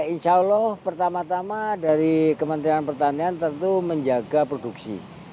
insya allah pertama tama dari kementerian pertanian tentu menjaga produksi